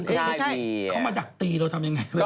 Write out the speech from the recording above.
เข้ามาดักตีเราทำอย่างไร